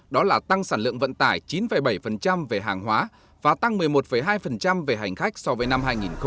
đó là tăng sản lượng vận tải chín bảy về hàng hóa và tăng một mươi một hai về hành khách so với năm hai nghìn một mươi tám